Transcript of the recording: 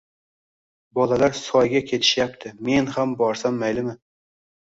Bolalar soyga ketishyapti, men ham borsam maylimi